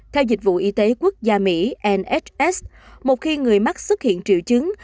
theo dịch vụ y tế quốc gia mỹ mss một khi người mắc xuất hiện triệu chứng